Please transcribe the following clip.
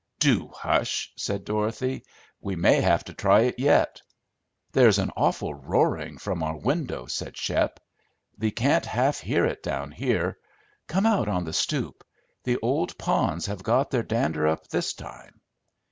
"Do hush!" said Dorothy. "We may have to try it yet." "There's an awful roarin' from our window," said Shep. "Thee can't half hear it down here. Come out on the stoop. The old ponds have got their dander up this time."